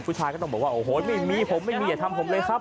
ผู้ชายก็ต้องบอกว่าโอ้โหไม่มีผมไม่มีอย่าทำผมเลยครับ